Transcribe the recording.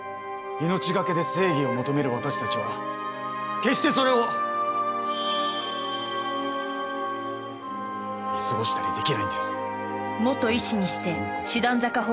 命懸けで正義を求める私たちは決してそれを見過ごしたりできないんです。